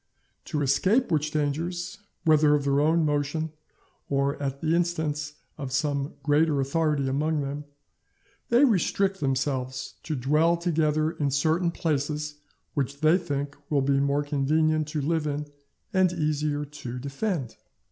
To escape which dangers, whether of their own motion or at the instance of some of greater authority among them, they restrict themselves to dwell together in certain places, which they think will be more convenient to live in and easier to defend.